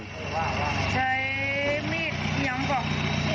ใช้มีดอย่างบอก